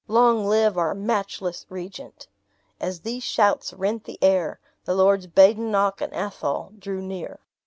Long live our matchless regent!" As these shouts rent the air, the Lords Badenoch and Athol drew near.